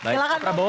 silahkan pak bok